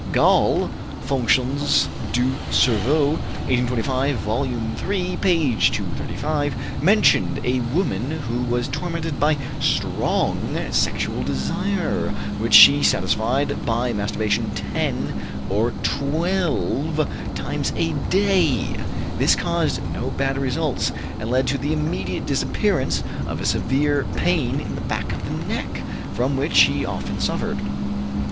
" Gall (Fonctions du Cerveau, 1825, vol. iii, p. 235) mentioned a woman who was tormented by strong sexual desire, which she satisfied by masturbation ten or twelve times a day; this caused no bad results, and led to the immediate disappearance of a severe pain in the back of the neck, from which she often suffered.